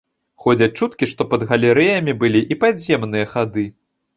Ходзяць чуткі, што пад галерэямі былі і падземныя хады.